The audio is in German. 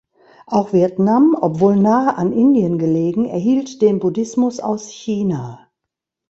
Auch Vietnam, obwohl nahe an Indien gelegen, erhielt den Buddhismus aus China.